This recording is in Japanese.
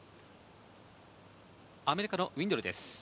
アメリカのウィンドルです。